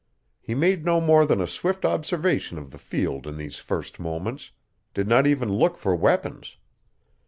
He made no more than a swift observation of the field in these first moments did not even look for weapons.